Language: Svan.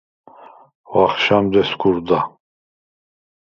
ვახშამდ ესგუ̄რდა.